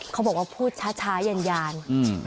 เขาบอกว่าพูดช้าช้าเย็นยานอืม